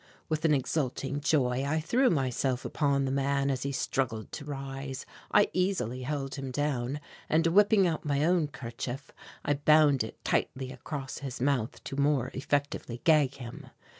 With an exulting joy I threw myself upon the man as he struggled to rise. I easily held him down, and whipping out my own kerchief I bound it tightly across his mouth to more effectively gag him.